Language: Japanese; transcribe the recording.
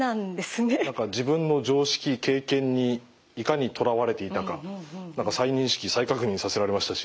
何か自分の常識経験にいかにとらわれていたか何か再認識再確認させられましたし。